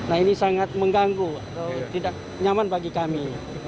nah ini sangat mengganggu atau tidak nyaman bagi kami